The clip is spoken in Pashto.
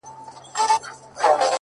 نه د ژړا نه د خندا خاوند دی”